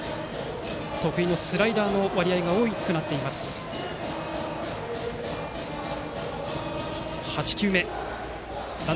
依然、得意のスライダーの割合が多くなっている菅井です。